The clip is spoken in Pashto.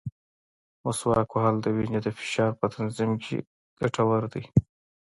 مسواک وهل د وینې د فشار په تنظیم کې ګټور دی.